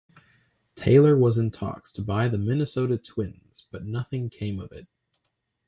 Taylor was in talks to buy the Minnesota Twins but nothing came of it.